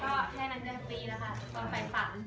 ก็แค่นั้นจะฟรีแล้วค่ะตอนไปฝัน